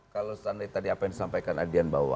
kalau seandainya tadi apa yang disampaikan adian bahwa